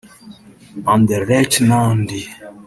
Anderlecht n’andi